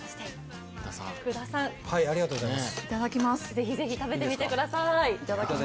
ぜひぜひ食べてみてください。